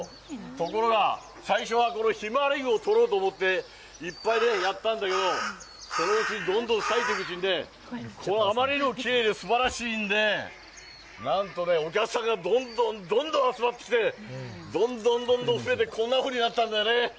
ところが、最初はひまわり油を取ろうと思っていっぱいやったんだけど、そのうち、どんどん咲いていくうちに、あまりにきれいですばらしいんで、なんとね、お客さんがどんどんどんどん集まってきて、どんどんどんどん増えて、こんなふうになったんだよね。